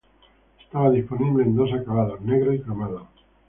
Estaba disponible en dos acabados, negro y cromado.